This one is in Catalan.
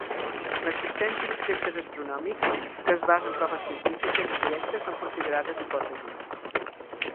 L'existència d'objectes astronòmics que es basa en proves científiques indirectes són considerades hipòtesis.